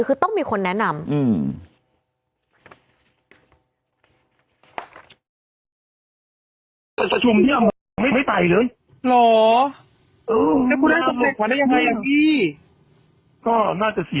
คือต้องมีคนแนะนำ